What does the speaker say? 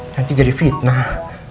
nanti jadi fitnah